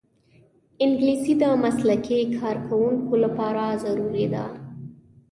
انګلیسي د مسلکي کارکوونکو لپاره ضروري ده